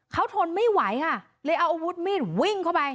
เขาทนไม่ไหวค่ะเลยเอาอาวุธมีดวิ่งเข้าไป